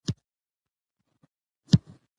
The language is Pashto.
د سيدآباد په غرو كې سپينې او سور رنگه ډبرې شته